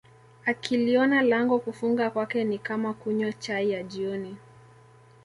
akiliona lango kufunga kwake ni kama kunywa chai ya jioni